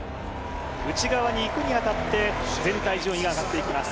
内側に行くに当たって全体順位が上がっていきます。